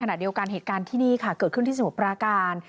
ขณะเดียวกันเหตุการณ์ที่นี่ค่ะเกิดขึ้นที่สมุทรปราการ